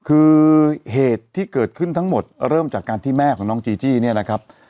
คือเหตุที่เกิดขึ้นทั้งหมดเริ่มจากการที่แม่ของน้องจีจี้เนี่ยนะครับ